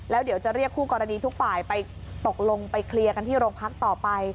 แล้วเดี๋ยวจะเรียกคู่กรณีทุกฝ่ายไปตกลงไปเคลียร์กันที่โรงพักต่อไป